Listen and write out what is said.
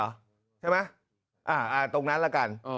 ใช่ไหมตรงนั้นละกัน